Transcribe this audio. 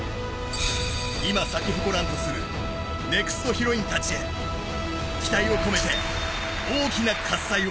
今、咲き誇らんとするネクストヒロインたちへ期待を込めて大きな喝采を。